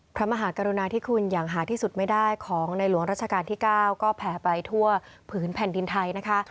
พระมหากรุณาที่คุณอย่างหาที่สุดไม่ได้ของในหลวงราชการที่๙ก็แผ่ไปทั่วผืนแผ่นดินไทยนะคะ